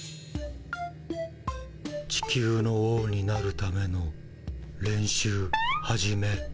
地球の王になるための練習始め。